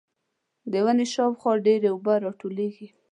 د ونې شاوخوا ډېرې اوبه راټولېږي.